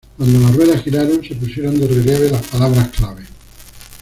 Cuando las ruedas giraron, se pusieron de relieve las palabras clave.